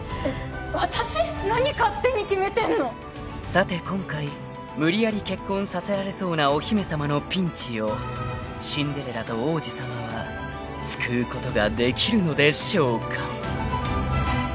［さて今回無理やり結婚させられそうなお姫様のピンチをシンデレラと王子様は救うことができるのでしょうか］